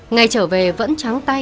ngày trở về vẫn trắng tay